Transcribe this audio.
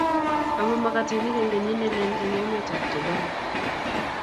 Ame magatinik eng kenyit nelel eng emetab Japan